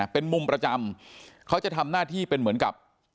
เป็นมุมประจำเขาจะทำหน้าที่เป็นเหมือนกับ